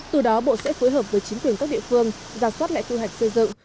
từ đó bộ sẽ phối hợp với chính quyền các địa phương giảm soát lại tiêu hạch xây dựng